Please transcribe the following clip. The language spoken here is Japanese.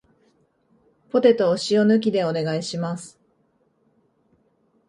ポテトを塩抜きでお願いします